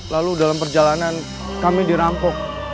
lalu dalam perjalanan kami dirampok